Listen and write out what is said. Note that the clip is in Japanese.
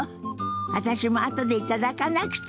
私も後で頂かなくちゃ。